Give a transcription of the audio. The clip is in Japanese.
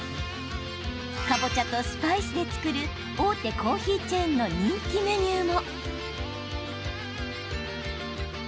かぼちゃとスパイスで作る大手コーヒーチェーンの人気メニューも。